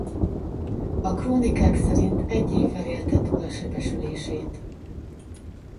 A krónikák szerint egy évvel élte túl a sebesülését.